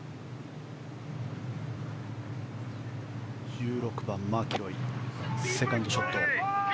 １６番のマキロイセカンドショット。